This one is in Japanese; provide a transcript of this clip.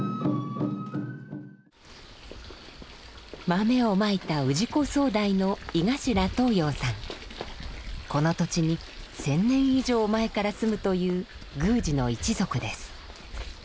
豆をまいた氏子総代のこの土地に１，０００年以上前から住むという宮司の一族です。